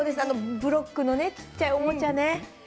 ブロックの小さいおもちゃね。